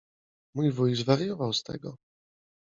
Mój wuj zwariował z tego.